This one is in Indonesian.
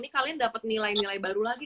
ini kalian dapet nilai nilai baru lagi